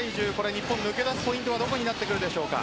日本、抜け出すポイントはどこになってくるでしょうか？